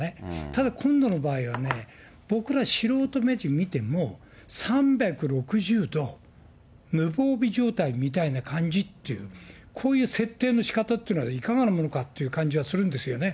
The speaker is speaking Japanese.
ただ、今度の場合はね、僕ら素人目に見ても、３６０度、無防備状態みたいな感じっていう、こういう設定のしかたっていうのはいかがなものかって感じはするんですよね。